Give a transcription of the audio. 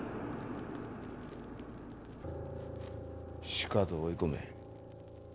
しかと追い込め。